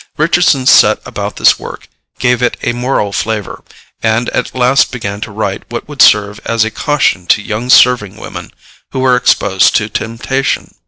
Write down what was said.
Richardson set about this work, gave it a moral flavor, and at last began to write what would serve as a caution to young serving women who were exposed to temptation.